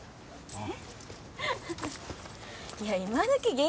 えっ？